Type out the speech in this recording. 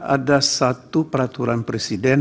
ada satu peraturan presiden